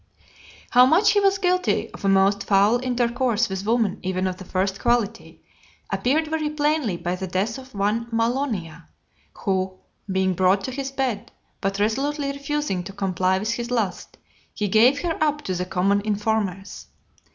XLV. How much he was guilty of a most foul intercourse with women even of the first quality , appeared very plainly by the death of one Mallonia, who, being brought to his bed, but resolutely refusing to comply with his lust, he gave her up to the common informers.